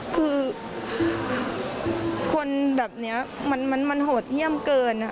คือคนแบบนี้มันโหดเยี่ยมเกินนะคะ